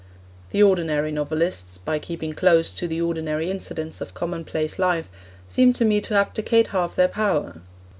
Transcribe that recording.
The ordinary novelists, by keeping close to the ordinary incidents of commonplace life, seem to me to abdicate half their power.